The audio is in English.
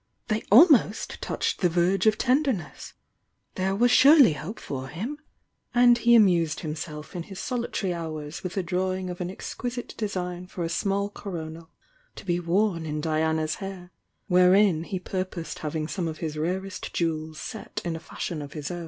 — they almost touched the verge of tenderness! — there was surely hope for him ! And he amused himself in his solitary hours with the drawing of an exquisite design for a small coronal to be worn in Diana's hair, wherein he purposed having some of bis rare est jewels set in a fashion of his own.